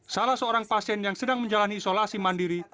salah seorang pasien yang sedang menjalani isolasi mandiri